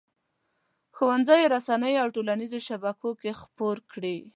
ښوونځیو، رسنیو او ټولنیزو شبکو کې خپور کړي.